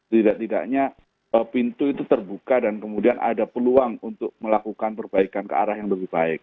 tidak tidaknya pintu itu terbuka dan kemudian ada peluang untuk melakukan perbaikan ke arah yang lebih baik